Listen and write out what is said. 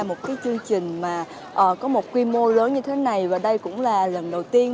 một cái chương trình mà có một quy mô lớn như thế này và đây cũng là lần đầu tiên